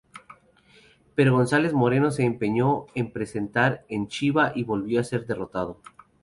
Pero González Moreno se empeñó en presentarla en Chiva y volvió a ser derrotado.